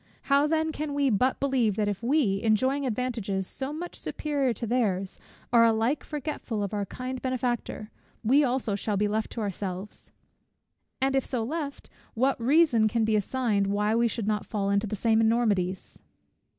How then can we but believe that if we, enjoying advantages so much superior to their's, are alike forgetful of our kind Benefactor, we also shall be left to ourselves? and if so left, what reason can be assigned why we should not fall into the same enormities?